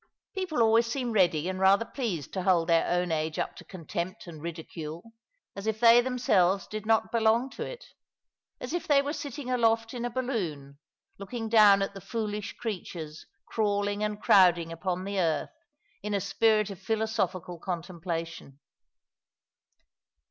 People always seem ready and rather pleased to hold their own age up to contempt and ridicule, as if they themselves did not belong to it ; as if they were sitting aloft in a balloon, looking down at the foolish creatures crawling and crowding upon the earth, in a spirit of philosophical contemplation.